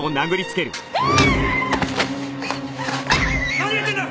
何やってんだ！？